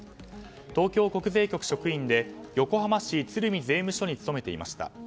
東京国税局職員で横浜市鶴見税務署に務めていました。